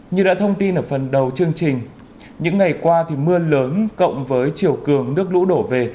như đã thông tin ở phần đầu chương trình những ngày qua thì mưa lớn cộng với chiều cường nước lũ đổ về